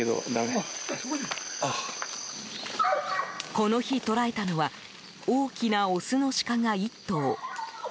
この日捕らえたのは大きなオスのシカが１頭。